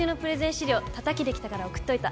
資料叩きできたから送っといた。